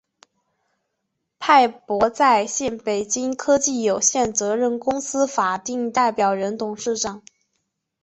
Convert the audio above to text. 派博在线（北京）科技有限责任公司法定代表人、董事长